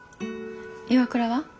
岩倉は？